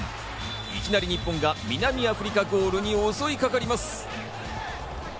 いきなり日本が南アフリカゴールに襲いかかります。